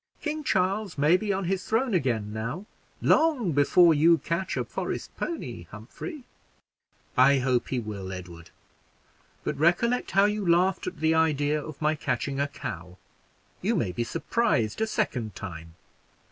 King Charles may be on his throne again now, long before you catch a forest pony, Humphrey." "I hope he will, Edward; but recollect how you laughed at the idea of my catching a cow you may be surprised a second time.